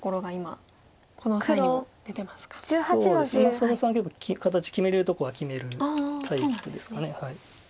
佐田さんは結構形決めれるところは決めるタイプですかね。